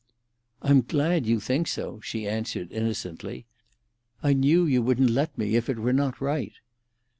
"I'm glad you think so," she answered innocently. "I knew you wouldn't let me if it were not right."